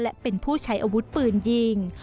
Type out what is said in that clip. และเป็นผู้ใช้อาวุธปืนยิง